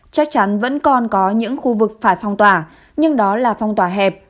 chắc chắn vẫn còn có những khu vực phải phong tỏa nhưng đó là phong tỏa hẹp